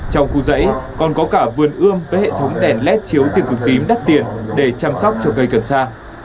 trong khu dãy còn có cả vườn ươm với hệ thống đèn led chiếu tiền cực tím đắt tiền để chăm sóc cho cây cần xa